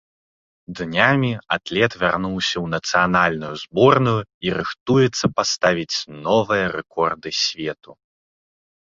Днямі атлет вярнуўся ў нацыянальную зборную і рыхтуецца паставіць новыя рэкорды свету.